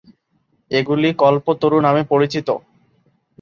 এগুলি কল্পতরু নামে পরিচিত।